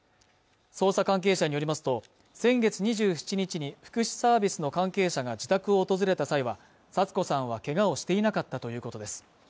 捜査関係者によりますと先月２７日に福祉サービスの関係者が自宅を訪れた際はサツ子さんはけがをしていなかったということです